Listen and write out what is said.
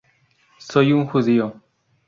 Soy un judío.